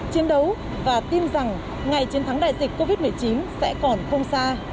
chiến đấu và tin rằng ngày chiến thắng đại dịch covid một mươi chín sẽ còn không xa